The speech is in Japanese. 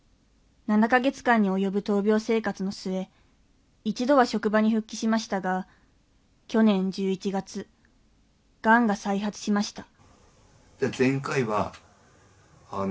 ７か月間に及ぶ闘病生活の末一度は職場に復帰しましたが去年１１月がんが再発しました